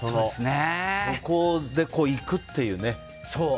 そこでいくっていうね。